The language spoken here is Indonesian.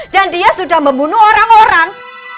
dan dia sudah membunuh orang orang